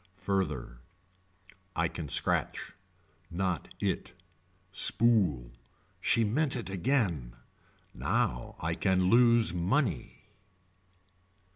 Further. I can scratch. Not it. Spool. She meant it again. Now I can lose money.